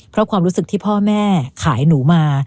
เพราะความรู้สึกที่พ่อแม่ขายหนูมา